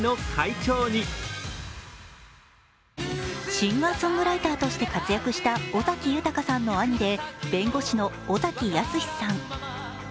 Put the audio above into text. シンガーソングライターとして活躍した尾崎豊さんの兄で弁護士の尾崎康さん。